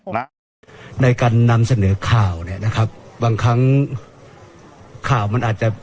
ในการนำเสนอข่าวเนี่ยนะครับบางครั้งข่าวมันอาจจะ